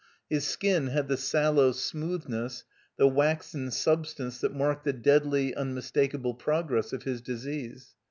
His skin had the sallow smoothness, the waxen substance that marked the deadly, tmmis takable progress of his disease.